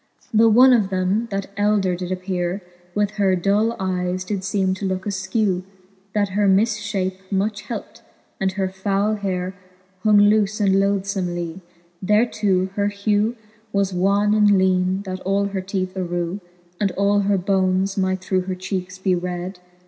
XXIX. The one of them, that elder did appeare, With her dull eyes did feeme to looke askew, That her mif fhape much helpt ; and her foule heare Hung loofe and loathfomcly: Thereto her hew Was wan and leane, that all her teeth arew. And all her bones might through her cheekes be red